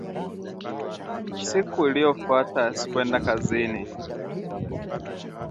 Siku iliyofuata, sikuenda kazini